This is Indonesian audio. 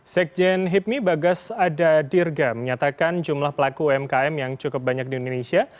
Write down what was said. sekjen hipmi bagas ada dirga menyatakan jumlah pelaku umkm yang cukup banyak di indonesia